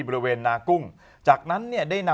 ปากจะได้หอม